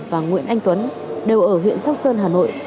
và nguyễn anh tuấn đều ở huyện sóc sơn hà nội